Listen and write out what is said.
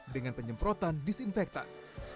dengan penyemprotan disinfektan